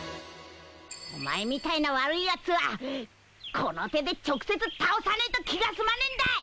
お前みたいな悪いヤツはこの手で直接倒さねえと気が済まねえんだ！